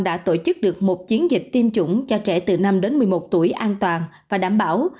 đã tổ chức được một chiến dịch tiêm chủng cho trẻ từ năm đến một mươi một tuổi an toàn và đảm bảo